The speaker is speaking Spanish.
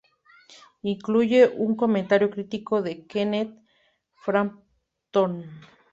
Incluye un comentario crítico de Kenneth Frampton.